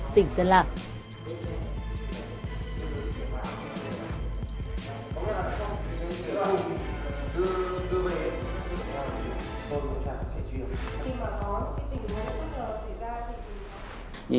tỉnh sơn lạc